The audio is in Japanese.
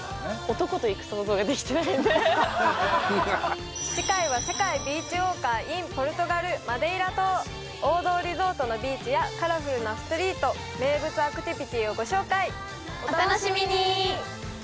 男と行く想像ができてないんで次回は世界ビーチウォーカーｉｎポルトガルマデイラ島王道リゾートのビーチやカラフルなストリート名物アクティビティをご紹介お楽しみに！